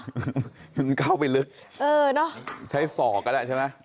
มันเข้าไปลึกใช้ศอกอะแหละใช่ไหม